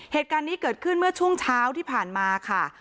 เหตุการณ์นี้เกิดขึ้นเมื่อช่วงเช้าที่ผ่านมาค่ะ